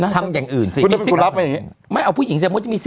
ทำอย่างอื่นสิ